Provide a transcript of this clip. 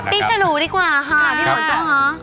ปีฉลูดีกว่าพี่บอกจริงหรือ